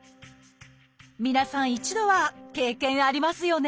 皆さん一度は経験ありますよね？